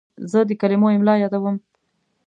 زه د کلمو املا یادوم.